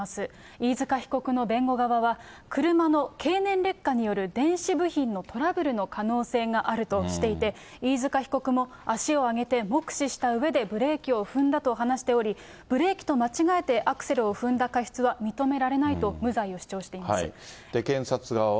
飯塚被告の弁護側は、車の経年劣化による電子部品のトラブルの可能性があるとしていて、飯塚被告も、足を上げて目視したうえでブレーキを踏んだと話しており、ブレーキと間違えて、アクセルを踏んだ過失は認められないと、検察側は。